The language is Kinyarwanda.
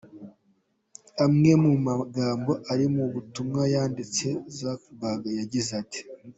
Amwe mu magambo ari mu butumwa yanditse, Zuckerberg yagize ati:.